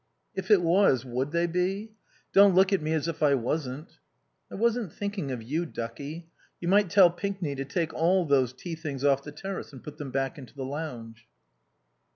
"If it was, would they be? Don't look at me as if I wasn't." "I wasn't thinking of you, ducky... You might tell Pinkney to take all those tea things off the terrace and put them back into the lounge."